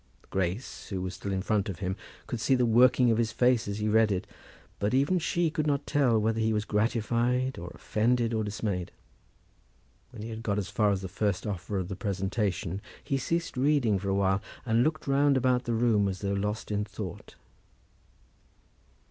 Grace, who was still in front of him, could see the working of his face as he read it; but even she could not tell whether he was gratified, or offended, or dismayed. When he had got as far as the first offer of the presentation, he ceased reading for a while, and looked round about the room as though lost in thought.